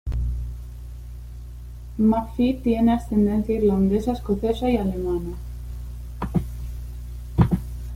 McPhee tiene ascendencia irlandesa, escocesa y alemana.